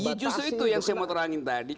ya justru itu yang saya mau terangin tadi